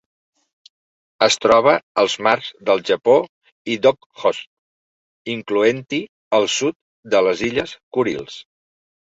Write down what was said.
Es troba als mars del Japó i d'Okhotsk, incloent-hi el sud de les illes Kurils.